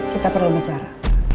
kita perlu bicara